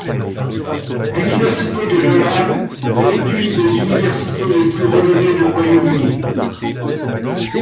L'université de Durham est une des universités les plus renommées du Royaume-Uni.